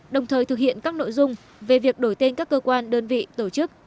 đồng thời thực hiện các nội dung về việc đổi tên các cơ quan đơn vị tổ chức